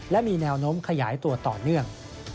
และมีแนวโน้มขยายตัวต่อเนื่อง